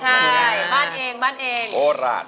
โฮราชใช่บ้านเองโฮราช